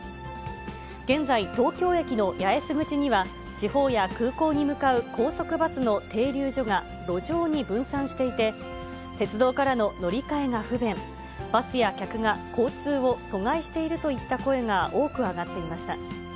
現在、東京駅の八重洲口には、地方や空港に向かう高速バスの停留所が路上に分散していて、鉄道からの乗り換えが不便、バスや客が交通を阻害しているといった声が多く上がっていました。